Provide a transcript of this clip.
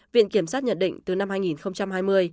viện kiểm sát nhận định từ năm hai nghìn hai mươi